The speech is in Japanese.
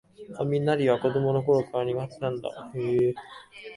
雷は子どものころから苦手なんだよ